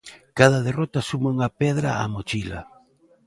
Cada derrota suma unha pedra á mochila.